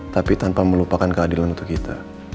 tapi tanpa melupakan keadilan untuk kita